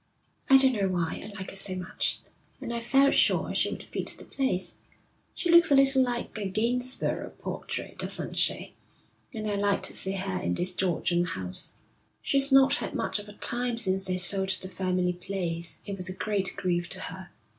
'I don't know why. I like her so much. And I felt sure she would fit the place. She looks a little like a Gainsborough portrait, doesn't she? And I like to see her in this Georgian house.' 'She's not had much of a time since they sold the family place. It was a great grief to her.'